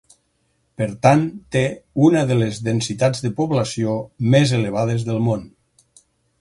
Per tant, té una de les densitats de població més elevades del món.